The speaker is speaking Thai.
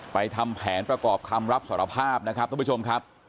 ทำแผนประกอบคำรับสารภาพนะครับท่านผู้ชมครับ